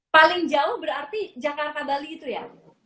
paling jauh berarti jakarta bali itu ya